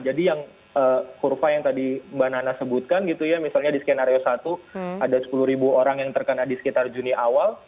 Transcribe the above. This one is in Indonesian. jadi yang hurfa yang tadi mbak nana sebutkan gitu ya misalnya di skenario satu ada sepuluh orang yang terkena di sekitar juni awal